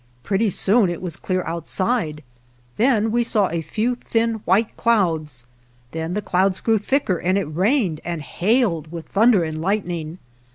Pretty soon it was clear outside ; then we saw a few thin white clouds ; then the clouds grew thicker, and it rained and hailed with thunder and lightning.